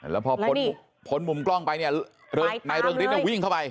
แล้วพอพ้นมุมกล้องไปเนี่ยนายเริงฤทธิวิ่งเข้าไป